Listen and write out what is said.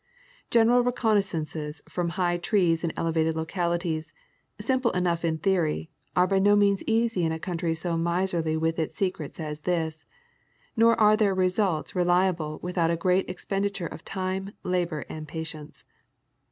General reconnaissances from high trees in elevated localities, simple enough in theory, are by no means easy in a country so miserly with its secrets as this, nor are their results reliable without a great expenditure of time, labor, and patience.